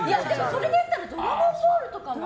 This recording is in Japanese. それで言ったら「ドラゴンボール」とかも。